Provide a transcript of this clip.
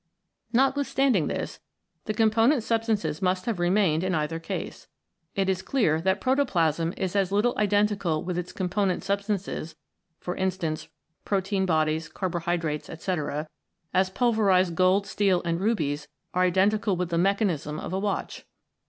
Notwithstanding this, the component substances must have remained in either case. It is clear that protoplasm is as little identical with its component substances, for instance, protein bodies, carbohydrates, etc., as pulverised gold, steel, and rubies are identical with the mechanism of a watch.